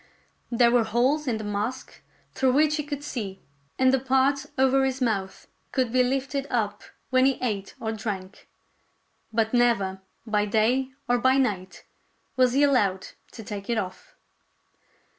There were holes in the mask through which he could see, and the part over his mouth could be lifted up when he ate or drank ; but never, by day or by night, was he allowed to take it off.